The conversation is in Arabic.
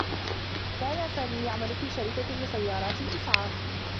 كان سامي يعمل في شركة لسيّارات الإسعاف.